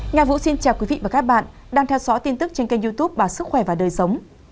nhà vũ xin chào quý vị và các bạn đang theo dõi tin tức trên kênh youtube bà sức khỏe và đời sống